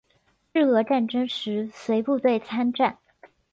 日俄战争时随部队参战。